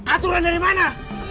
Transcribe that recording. aturan dari mana